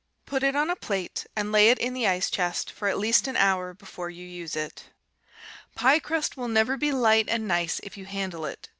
Put it on a plate and lay it in the ice chest for at least an hour before you use it. Pie crust will never be light and nice if you handle it.